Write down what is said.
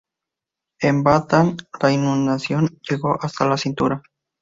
En Bataan, la inundación llegó hasta la cintura.